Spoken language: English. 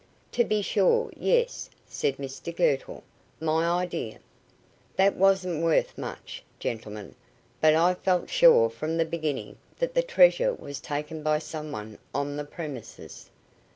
"To be sure, yes," said Mr Girtle. "My idea." "That wasn't worth much, gentlemen; but I felt sure from the beginning that the treasure was taken by someone on the premises."